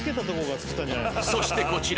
そしてこちら